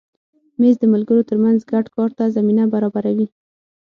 مېز د ملګرو تر منځ ګډ کار ته زمینه برابروي.